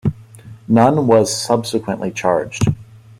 None was subsequently charged.